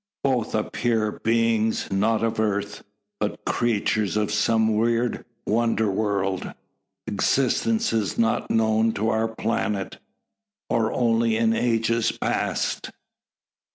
Both appear beings not of Earth, but creatures of some weird wonder world existences not known to our planet, or only in ages past!